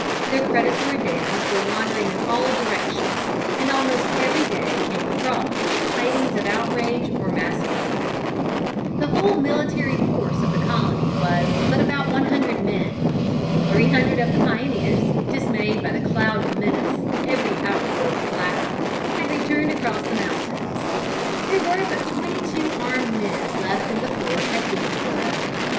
Their predatory bands were wandering in all directions, and almost every day came fraught with tidings of outrage or massacre. The whole military force of the colony was but about one hundred men. Three hundred of the pioneers, dismayed by the cloud of menace, every hour growing blacker, had returned across the moutains. There were but twenty two armed men left in the fort at Boonesborough.